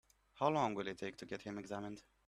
How long will it take to get him examined?